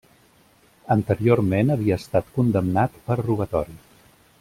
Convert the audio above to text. Anteriorment havia estat condemnat per robatori.